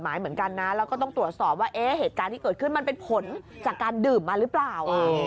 หมายเหมือนกันนะแล้วก็ต้องตรวจสอบว่าเหตุการณ์ที่เกิดขึ้นมันเป็นผลจากการดื่มมาหรือเปล่า